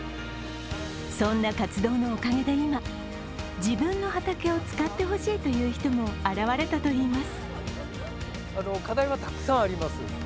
そんな活動のおかげで今、自分の畑を使ってほしいという人も現れたといいます。